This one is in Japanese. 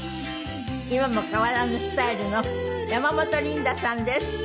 今も変わらぬスタイルの山本リンダさんです。